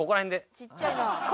ちっちゃいなあ。